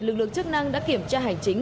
lực lượng chức năng đã kiểm tra hành chính